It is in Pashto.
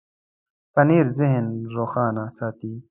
پنېر ذهن روښانه ساتي.